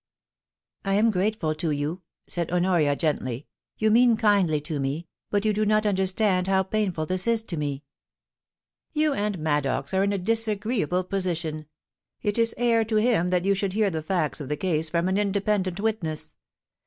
* I am grateful to you/ said Honoria, gently. * You mean kindly to me, but do you not understand how painful this is to meP * You and Maddox are in a disagreeable position it is air to him that you should hear the facts of the case from an independent witness.